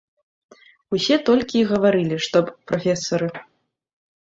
Усе толькі й гаварылі, што аб прафесары.